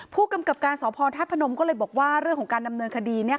ผู้กำกับการสพธาตุพนมก็เลยบอกว่าเรื่องของการดำเนินคดี